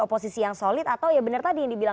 oposisi yang solid atau ya benar tadi yang dibilang